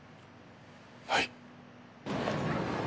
はい。